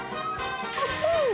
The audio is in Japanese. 熱い。